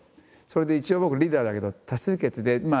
それで一応僕リーダーだけど多数決で。